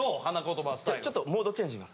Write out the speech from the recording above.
ちょっとモードチェンジしますね。